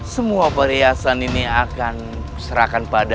semua perhiasan ini akan serahkan pada